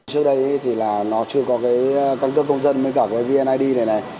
trước đây thì là nó chưa có cái công chức công dân với cả cái vneid này này